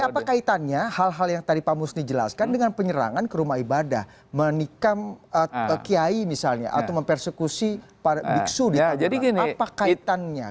apa kaitannya hal hal yang tadi pak musni jelaskan dengan penyerangan ke rumah ibadah menikam kiai misalnya atau mempersekusi para biksu di tabungan apa kaitannya